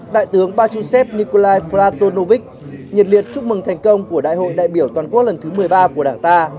đại tướng bà chú sép nikolai platonovic nhiệt liệt chúc mừng thành công của đại hội đại biểu toàn quốc lần thứ một mươi ba của đảng ta